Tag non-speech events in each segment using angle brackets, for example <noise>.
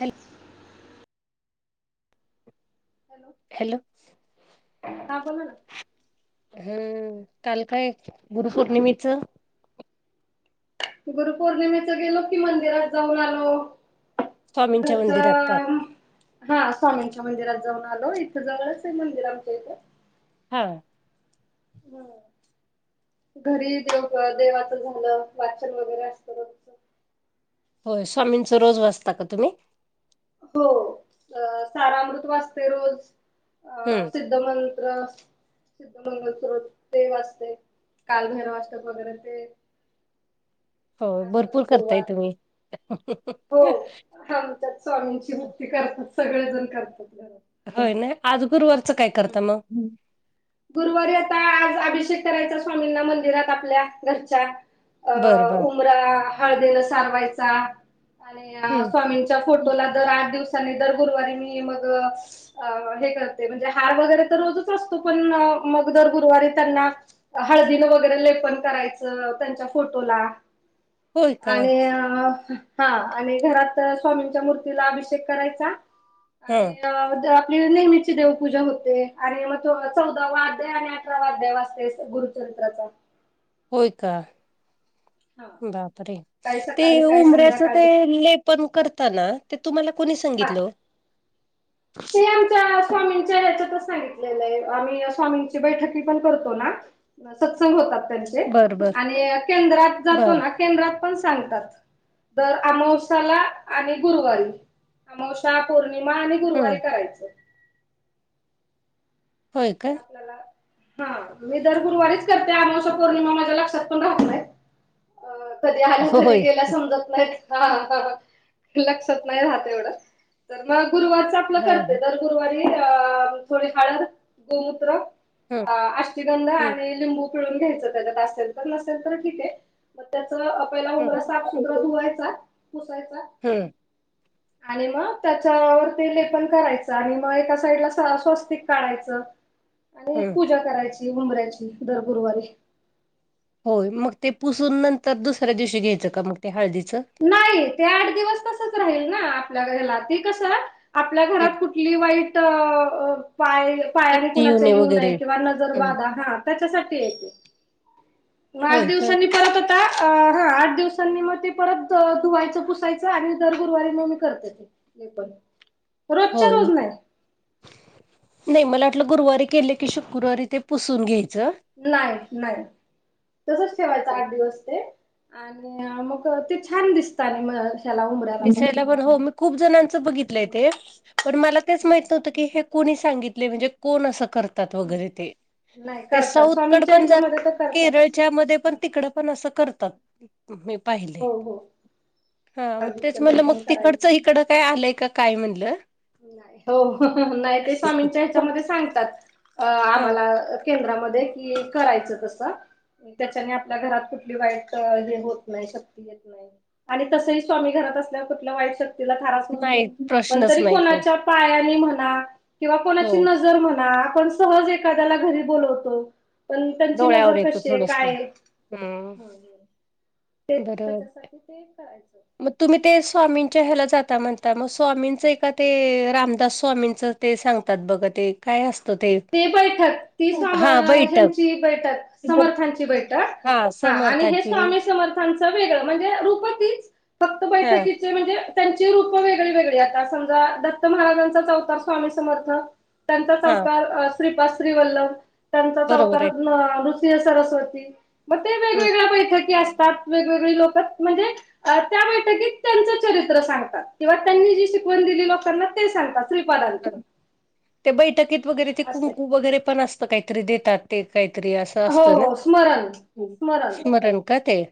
Hello. Hello. हा बोला ना हम्म, काल काय गुरुपौर्णिमेचं? गुरुपौर्णिमेचं गेलो कि, मंदिरात जाऊन आलो. स्वामींच्या मंदिरात का घरचं. हा स्वामींच्या मंदिरात जाऊन आलो. इथं जवळच मंदिर आमच्या इथं. हा. होय. घरी देवाचं झालं, वाचन वगैरे असतं रोजच. होय, स्वामीचं रोज वाजता का तुम्ही? हो, साराअमृत वाचते रोज, अ हम्म सिद्ध मंत्र सिद्ध मंगल रोज ते वाजते, कालभैरव वाचते वगैरे ते. हो, आज भरपूर परत करतायं गुरुवार तुम्ही. हो आमच्यात स्वामींची भक्ती करतात. सगळेजण करतात घरात. होय नाही, आज गुरुवारचं काय हम्म करत मग? गुरुवारी आता, आज अभिषेक करायचा स्वामींना मंदिरात आपल्या घरच्या. अ बर बर उमरा हळदीला सारवायचा, आणि हम्म स्वामींच्या फोटोला दर आठ दिवसानी, दर गुरुवारी मी मग अ हे करते, म्हणजे हार वगैरे तर रोजच असतो पण मग दर गुरुवारी त्यांना हळदीनं वगैरे लेपन करायचं, त्यांच्या फोटोला, होय का आणि हा, आणि घरात स्वामींच्या मूर्तीला अभिषेक करायचा हा आणि आपली नेहमीची देवपूजा होते, आणि म चौदावा अध्याय आणि अठरावा अध्याय वाचते गुरुचरीत्राचा. होय का? हा. बापरे काय ते सकाळी काय उमऱ्याच ते संध्याकाळी लेपन करताना ते तुम्हाला कूणी हा सांगितलं ओ? ते आमच्या स्वामींच्या येच्याताच सांगितलेलंय आम्ही स्वामींची बैठकी पण करतो ना सत्संग होतात त्यांचे, बर बर आणि केंद्रात जातो बर ना केंद्रात पण सांगतात. दर अमावसा्याला आणि गुरुवारी अमावसा पौर्णिमा आणि हम्म गुरुवारी करायचं. होय काय? ह मी दर गुरुवारीच करते अमावस्या पौर्णिमा माझ्या लक्षात पण राहत नाहीत. अ कधी आल्या कधी होय गेल्या समजत नाहीत. हा ह लक्षात नाही राहत एवढं तर मग गुरुवारच आपलं हा हा करते दर गुरुवारी अ थोडी हळद, गोमूत्र हम्म अ अष्टीगंध हम्म आणि लिंबू घ्यायच त्याच्यात असेल तर नसेल तर ठीक ये मग त्याच पहीला उमरा हम्म साफ सुतरा धुवायचा, पुसायचा <inaudible> आणि मग त्याच्यावर ते लेपन करायचं आणि मग एका साईडला स्वस्तिक काढायचं. आणि हम्म पूजा करायची उमबऱ्याची दर गुरुवारी. होय मग ते पुसून नंतर दुसऱ्या दिवशी घ्यायचं का मग ते हळदीचं? नाही ते आठ दिवस तसच राहील ना आपल्या हेला ते कसं आपल्या घरात हम. कुठली वाईट पाय पायाने शक्ती कुणाच्या येऊने येऊ वगैरे नये किंवा नजर बाधा हम्म. हा त्याच्यासाठी ये ते आठ होय का दिवसांनी परत हा आठ दिवसांनी मग ते परत धुवायचं, पुसायचं आणि दर गुरवारी म मी करते ते पण. होय नाही मला वाटलं गुरुवारी केले की शुक्रवारी ते पुसून घ्यायचं नाही नाही तसच ठेवायच आठ दिवस ते आणि मग ते छान दिसतानी म ह्याला उंबऱ्याला दिसायला पण हो मी खूप जणांच बघितलंय हो ते पण मला तेच माहित नव्हत की हे कोणी सांगितले म्हणजे कोण असं कर? तात हो वगैरे नाही ते करतात साऊथ स्वामींच्या कड जात ह्याच्यामध्ये तर करतातच. केरळच्या मध्ये पण तिकड पण अस करतात मी पाहिलंय हो हो. हा म हळदीच म्हनलं मग लेपन तिकडचं करायचं. इकडं काय आलंय काय म्हणलं हो नाही ते स्वामींच्या ह्याच्यामध्ये सांगतात अ हा आम्हाला केंद्रामध्ये कि करायचं तसं. त्याच्याने आपल्या घरात कुठली वाईट हे होत नाही शक्ती येत आणि तसही स्वामी घरात असल्यावर कुठल्या वाईट शक्तीला थाराच नाही नसतो. पण प्रश्नच तरी नाही तो. कोणाच्या पायांनी म्हणा किंवा हो कोणाची नजर म्हणा आपण, सहज एखाद्याला घरी बोलवतो. पण त्यांची डोळ्यावर नजर येतं कशी आहे थोडसं. काय? हम्म. ते बरोबर. त्याच्यासाठी ते करायचं मग तुम्ही ते स्वामींच्या ह्याला जाता म्हणता मग स्वामींचं ए का ते रामदास स्वामींचं. ते सांगतात बघ ते काय असतं ते. ते बैठक ती हा बैठक समा्यांची बैठक समर्थांची बैठक. हा आणि हे स्वामी समर्थांचं वेगळ म्हणजे रूप तिच फक्त. हा.... बैठकीचे म्हणजे त्यांची रूप वेगळी वेगळी आता समजा दत्त महाराजांचा चवकार स्वामी समर्थ. त्यांचा हा चवकार श्रीपाद श्री वल्लम त्यांचा बरोबर चवकार. आहे. सरस्वती मग ते हम्म. वेगवेगळ्या बैठकी असतात वेगवेगळी लोक म्हणजे. त्या बैठकीत त्यांचं चरित्र सांगतात किंवा त्यांनी जी शिकवण दिली लोकांना ते सांगतात श्रीपादाच. ते बैठकीत वगैरे ते असं आहे. कुंकू वगैरे पण असत काहीतरी देतात ते काहीतरी अस. हो असत ना हो स्मरण स्मरण स्मरण का ते.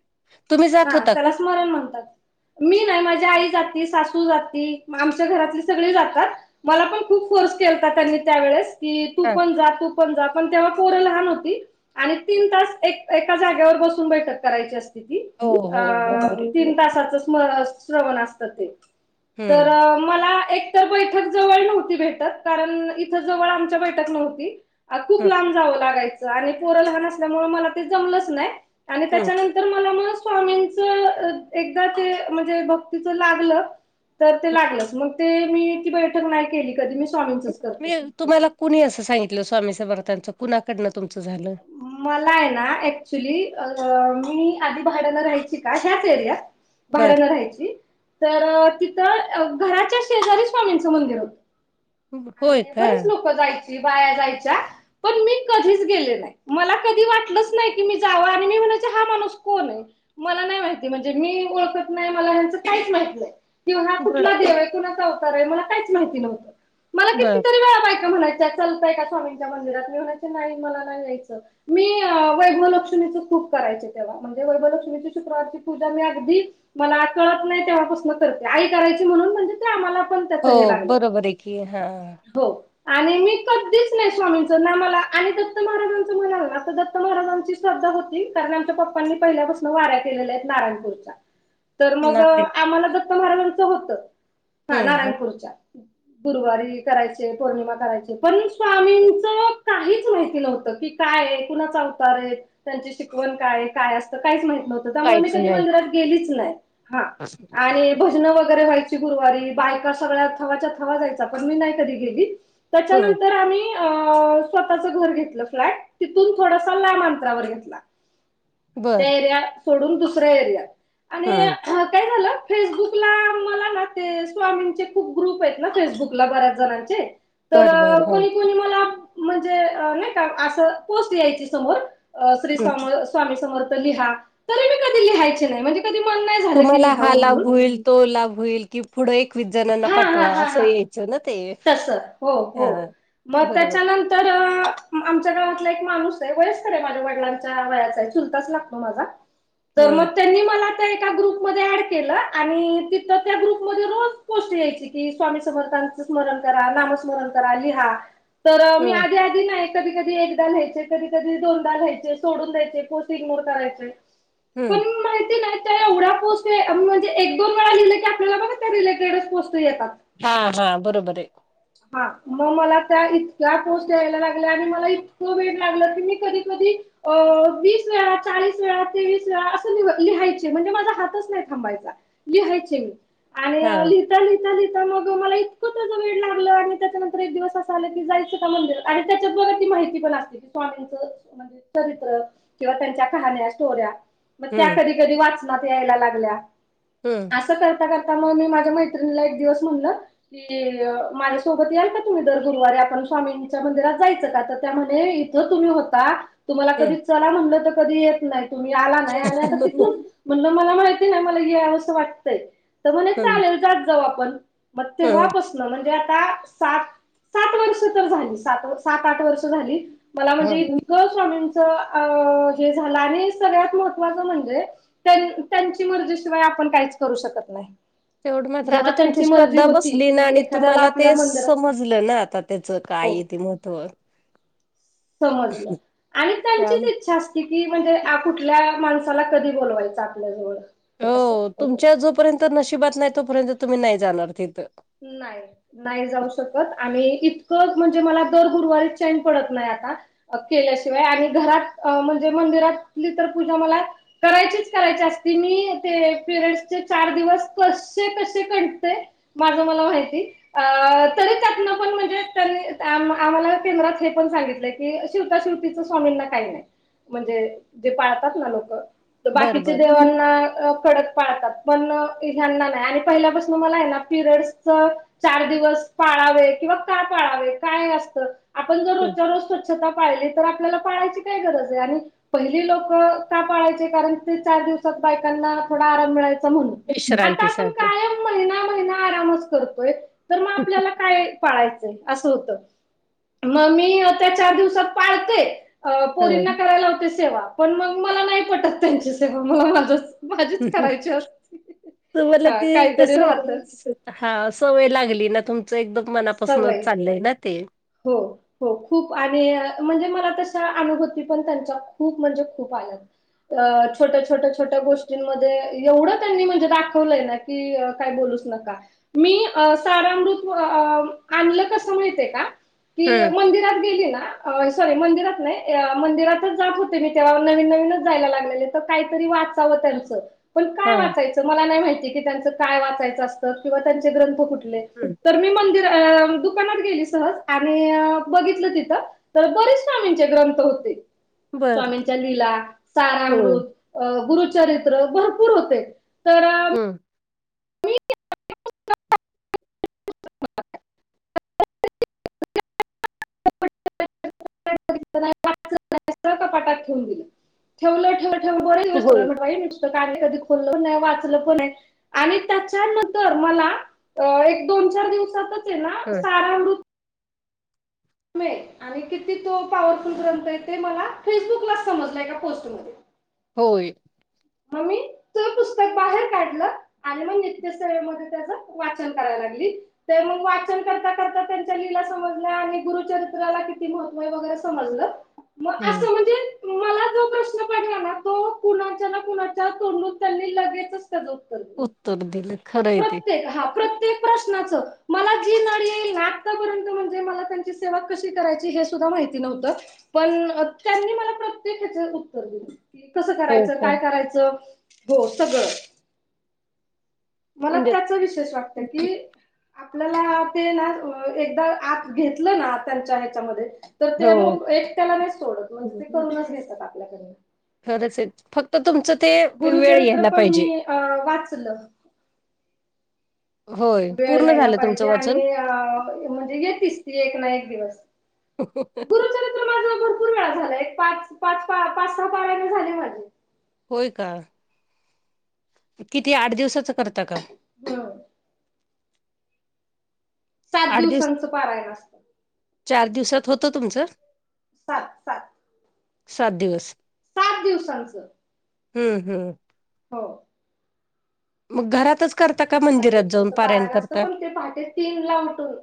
तुम्ही हा जात होता त्याला का? स्मरण म्हणतात. मी नाही माझी आई जाते सासू जाते आमच्या घरातले सगळे जातात. मला पण खूप फोर्स केलता त्यांनी त्यावेळेस की तू हा पण जा तू. पण जा पण तेव्हा पोरं लहान होती. आणि तीन तास एक एका जागेवर बसून बैठक करायची असते ती. हो अ हो तीन बरोबर. तासाच स्मरण. जवळ असत ते तर हम्म. मला एक. तर बैठक जवळ नव्हती भेटत कारण इथ जवळ आमच्या बैठक नव्हती. खूप हम्म लांब जावं लागायचं आणि पोरं लहान असल्यामुळे मला ते जमलंच नाही आणि हम्म. त्याच्यानंतर. स्वामींच एकदा ते म्हणजे भक्तीच लागलं तर ते लागलंच मग. ते मी ती बैठक नाही केली कधी मी स्वामींचच तुम्ही करते. तुम्हाला कुणी असं सांगितलं स्वामी समर्थनच कुणाकडनं तुमचं झालं. मला आहे ना ऍक्च्युली मी आधी भाड्यान राहायची का ह्याच एरियात. बर भाड्यानं राहायची तर, तिथ घराच्या शेजारी स्वामींचं मंदिर होत. होय आणि का बरीच लोक जायची बाया जायच्या. पण मी कधीच गेले नाही मला, कधी वाटलंच नाही की मी जाव आणि मी म्हणायचे हा माणूस कोण आहे. मला नाही माहिती म्हणजे मी ओळखत नाही मला ह्याचं काहीच माहित नाही. तो हा बर कुठला देव आहे कुणाचा अवतार आहे मला काहीच माहिती नव्हतं. मला बर कितीतरी वेळा बायका म्हणायच्या चालताय का स्वामींच्या मंदिरात मी म्हणायचे नाही मला नाही यायचं. मी वैभलक्ष्मीच खूप करायचे तेव्हा म्हणजे वैभलक्ष्मीची शुक्रवारची पूजा मी अगदी. मला कळत नाही तेव्हापासून करते आई करायची म्हणून म्हणजे ते आम्हाला पण. हो त्याचं हे लागलं बरोबर आहे की हा... हो... आणि मी कधीच नाही स्वामीचं ना मला आणि दत्त महाराजांचं म्हणालं आता दत्त महाराजांची. श्रद्धा होती कारण आमच्या पप्पांनी पहिल्यापासून वाऱ्या केलेल्या आहेत नारायणपूर. <inaudible> तर मग नारायण आम्हाला दत्त महाराजांच होत. हा हम्म हम्म नारायणपूरच्या. गुरुवारी करायचे पौर्णिमा करायचे, पण स्वामींच काहीच माहिती नव्हतं की. काय हाय कुणाचा अवतार आहे. त्यांची शिकवण काय काय असतं काहीच माहित नव्हत. त्यामुळे मी काहीच कधी नाही मंदिरात गेलीच नाही हा आणि भजन वगैरे व्हायची. ती गुरवारी बायका सगळ्या थवा थवा च्या जायच्या पण मी नाही कधी गेली. हम्म त्याच्यानंतर आम्ही, अ स्वतःच घर घेतलं फ्लॅट तिथून थोडसा लांब अंतरा वर घेतला. ते बर एरिया सोडून दुसऱ्या एरिया आणि हम्म - काय झालं. फेसबुक ला मला ना ते स्वामीं चे खूप ग्रुप आहेत ना, फेसबुक ला बऱ्याच जणांचे. तर बर बर हो कोणी कोणी मला म्हणजे अ नाही का असं पोस्ट यायचे समोर अ श्री हम्म स्वामी समर्थ लिहा तरी मी कधी लिहायचे नाही म्हणजे कधी मन नाही झालं की तुम्हाला हा लिहावं लाभ म्हणून होईल तो लाभ होईल की पुढं एक वीस जणांना हा हा पाठवा हा असं हा यायचं ना ते तस हो हो हा. मग त्याच्या न <unintelligible> आमच्या घरातलच एक माणूस हाय वयस्कर आहे माझ्या वडलांच्या वयाचा आहे चुलताच लागतो मला तर हम्म मग त्यांनी मला त्या एका ग्रुपमध्ये ॲड केलं आणि तिथं त्या ग्रुपमध्ये रोज गोष्ट यायची की स्वामी समर्थाचं स्मरण करा नाम स्मरण करा लिहा तर मी हम्म आधी कधी नाही कधी कधी एकदा लिहायचेकधी कधी दोनदा लिहायचे सोडून द्यायचे पोस्ट इग्नोर करायचे. <unintelligible> पण माहिती नाही त्या एवढया पोस्ट म्हणजे एक दोन वेळा लिहिले की आपल्याला बघा त्या रिले तरच पोस्ट येतात. हा हा बरोबर आहे. हा मग मला त्या इतक्या पोस्ट यायला लागल्या आणि मला इतक वेड लागलं की मी कधी कधी अ वीस वेळा, चाळीस वेळा, तेवीस वेळा असं लिह- लिहायचे म्हणजे माझा हातच नाही थांबायचा. लिहायचे मी आणि हा लिहिता लिहिता लिहिता मग मला इतक त्याज वेड लागला आणि त्याच्यानंतर एक दिवस असं आल की जायच मंदिर आणि त्याच्या बघा की माहिती पण अस स्वामीच चरित्र किंवा त्यांच्या कहाण्या स्टोऱ्या मग त्या हम्म कधी कधी वाचनात यायला लागल्या. हम असं करता करता मग मी माझ्या मैत्रिणीला एक दिवस म्हणलं की माझ्या सोबत यायल का तुम्ही दर गुरुवारी आपण स्वामीं च्या मंदिरात जायचं का तर त्या म्हणाल्या <unintelligible> तर तुम्ही होता तुम्हाला कधी हम्म चला म्हणलं तर कधी येत नाही तुम्ही आला नाही आणि आता तिथून म्हणल मला माहिती नाही मला यावेस वाटतंय तर म्हणे हम्म. जातं जाऊ आपण मग हम्म तेव्हा पासून म्हणजे आता सात सात वर्ष तर झाली, सात सात आठ वर्ष झाली. मला म्हणजे हम्म. इतकं स्वामीं च अ जे झालं आणि सगळ्यात महत्वाचं म्हणजे त्या त्यांची मर्जी शिवाय आपण काहीच करू शकत नाही. तेवढ मात्र आता जेव्हा तुमची त्यांची मर्जी श्रद्धा होती बसली ना की आणि एखाद्याला तुम्हाला आपल्या ते मंदिरात समज समजला ना आता त्याच काय हो आहे ते महत्व. समजल आणि त्या त्याचींच इच्छा कीती म्हणजे आ कुठल्या माणसाला कधी बोलवायचं आपल्या जवळ असं हो तुमच्या जो पर्यत नशिबात नाही तो पर्यत तुम्ही नाही जाणार तिथं. नाही नाही जाऊ शकत आणि इतकं म्हणजे मला दर गुरुवारी चैन पडत नाही आता. मग केल्याशिवाय आणि घरात अ म्हणजे मंदिरातली तर पूजा मला करायचीच करायचे असते मी ते पिरीयडस चे चार दिवस कसे कसे काढते. माझं मला माहिती. अ तरी त्यात न पण म्हणजे त्यांनी आम्हाला केंद्रात हे पण सांगितलंय. कि शिवता शिवती च स्वामीं ना काही नाही म्हणजे जे पाळतात ना लोकं. त बर बाकीच्या बर देवांना कडक पाळतात लागतं पण ह्यांना नाही आणि पहिल्यापासून मला आहे ना पिरियड्स च चार दिवस पाळावे किंवा का पाळावे काय असत आपण जर <inaudible> हम्. <inaudible> जर स्वच्छता पाळली तर आपल्याला पाळायची काय गरज आहे आणि पहिली लोक का पाळायचे कारण ते चार दिवसात बायकांना थोडा आराम मिळायचा. <inaudible> पण आता आपण विश्रांतीसाठी कायम महिना, महिना आरामच करतोय तर मग आपल्याला काय पाळायचं असं होत. मग मी त्या चार दिवसात पाळते. अ पोरींना हं. करायला लावते सेवा पण मग मला नाही पटत त्यांची सेवा मला माझंच तूम्ही ते मला <inaudible> हा एकदा काहीतरी राहत सांगितलं तसं हा सवय लागली ना तुमचं एकदम मनापासूनच सवय चाललंय ना ते. हो. हो आणि मला तसा अनुभूती पण त्यांचा खूप म्हणजे खूप आलाय. अ छोट्या, छोट्या, छोट्या गोष्टींमध्ये एवढं त्यांनी म्हणजे दाखवलंय ना की काय बोलूच नका. मी सारामृत आणलं कसं माहित आहे का? ते हम्म मंदिरात गेली ना सॉरी मंदिरात नाही. मंदिरातच जात होते मी तेव्हा नवीन नवीनच जायला लागलेले काहीतरी वाचावं त्यांचं. पण हा काय वाचायचं मला नाही माहिती की त्यांचं काय वाचायचं असतं. किंवा त्यांचे ग्रंथ कुठे ले हं. तर मी मंदिर दुकानात गेली सहज आणि बघितलं तिथं तर बरेच स्वामींचे ग्रंथ होते. बर स्वामींच्या लीला, सारा हो अमृत. अ गुरुचरित्र भरपूर होते तर हम्म. <inaudible> <unintelligible> <inaudible> पाटात ठेवून दिलं ठेवलं ठेवलं बरे होय दिवसत का <inaudible> कधी खोललं नाही वाचलं पण आहे. आणि त्याच्यानंतर मला अ एक, दोन, चार दिवसातच आहे ना हं. सारामृत <inaudible> आणि किती तो पॉवरफुल ग्रंथ आहे‌. ते मला फेसबुकलाच समजला एका पोस्टमध्ये. होय. मम्मी <inaudible> पुस्तक बाहेर काढलं आणि मग नित्यसेवेमध्ये त्याच वाचन करावला लागली. तर मग वाचन करता, करता त्यांच्या लिला समजल्या आणि गुरुचरित्राला किती महत्त्व आहे, वगैरे समजलं. मग हम्म. असं म्हणजे मला जो प्रश्न पडला ना. तो कुणाच्या ना कुणाच्या तोंड त्यांनी लगेचच त्याच उत्तर दिल उत्तर दिलं खरंय ते प्रत्येक हा प्रत्येक प्रश्नाच मला जी नड येईल <inaudible> नि आतापर्यंत म्हणजे मला त्यांची सेवा कशी करायची हे सुद्धा माहित नव्हतं पण त्यांनी मला प्रत्येक हेच उत्तर दिलं‌. कसं हो करायचं, का काय करायचं हो सगळं. मला म्हणजे त्याच विशेष वाटत की आपल्याला ते ना एकदा आत घेतलं ना त्यांच्या ह्याच्यामध्ये तर ते हो एकट्याला नाही सोडत म्हणजे ते करूनच घेतात आपल्या कडन. खरंच आहे. फक्त तुमचं ते वेळ गुरुचरित्र यायला पण पाहिजे. मी अ वाचलं. होय वेळ पूर्ण यायला झालं पाहिजे तुमचं वाचन? आणि अ म्हणजे येतीस ती एक ना एक दिवस. <unintelligible> माझ भरपूर वेळा झाला एक पाच पाच पाच सहा पारायण झाली माझी होय का किती आठ दिवसाच करता का <unintelligible> सात आठ दिवस दिवसांच पारायण असत चार दिवसात होत तुमच सात, सात सात दिवस सात दिवसांच हम्म हम्म हो मग घरातच करता का सात मंदिरात जाऊन दिवसांचं पारायण असतं करता पण ते पहाटे तीन ला उठून